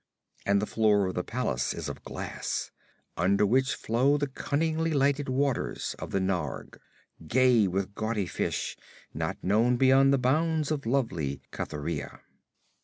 And the floor of the palace is of glass, under which flow the cunningly lighted waters of the Narg, gay with gaudy fish not known beyond the bounds of lovely Cathuria."